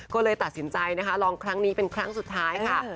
ก็เลยตัดสินใจนะคะลองครั้งนี้เป็นครั้งสุดท้ายค่ะ